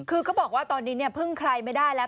คือเขาบอกว่าตอนนี้เนี่ยพึ่งใครไม่ได้แล้ว